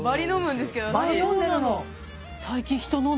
バリ飲んでんの。